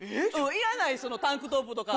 いらないそのタンクトップとか。